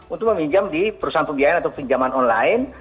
untuk meminjam di perusahaan pembiayaan atau pinjaman online